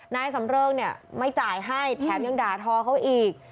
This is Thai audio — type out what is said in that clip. นายสำเริงเนี่ยไม่จ่ายให้แถมยังด่าทอเขาอีก